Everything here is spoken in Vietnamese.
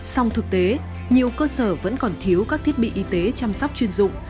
song thực tế nhiều cơ sở vẫn còn thiếu các thiết bị y tế chăm sóc chuyên dụng